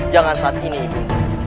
jangan saat ini ibu